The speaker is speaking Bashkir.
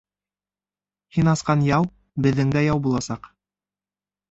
— Һин асҡан яу беҙҙең дә яу буласаҡ.